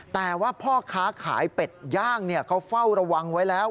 แต่ว่าพ่อค้าขายเป็ดย่างเขาเฝ้าระวังไว้แล้ว